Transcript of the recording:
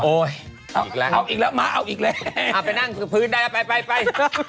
โอ้ยเอาอีกแล้วมาเอาอีกแล้วอ้าวไปนั่งพื้นได้แล้วไปไปไป